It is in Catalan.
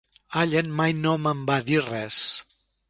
Allen mai no me'n va dir res!